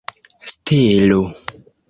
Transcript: stelo